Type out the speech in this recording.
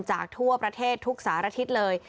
ทั่วประเทศทุกสารทิศเลย